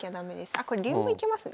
あこれ竜もいけますね。